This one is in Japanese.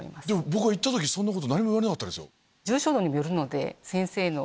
僕が行った時そんなこと何も言われなかったですよ？